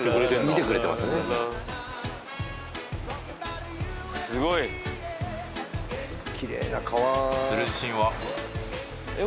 見てくれてますねすごい綺麗な川えっ